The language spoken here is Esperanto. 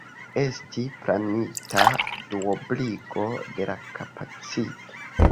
Estis planita duobligo de la kapacito.